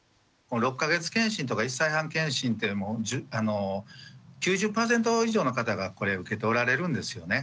６か月健診とか１歳半健診って９０％以上の方がこれ受けておられるんですよね。